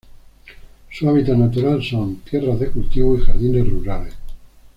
Su hábitat natural son: tierras de cultivo y jardines rurales.